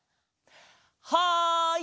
はい！